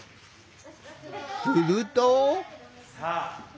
すると。